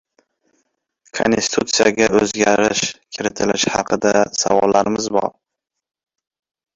Konstitutsiyaga o‘zgarish kiritilishi haqida savollarimiz bor